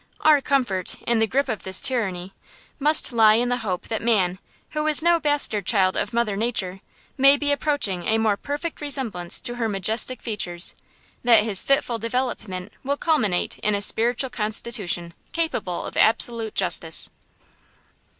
Our comfort, in the grip of this tyranny, must lie in the hope that man, who is no bastard child of Mother Nature, may be approaching a more perfect resemblance to her majestic features; that his fitful development will culminate in a spiritual constitution capable of absolute justice.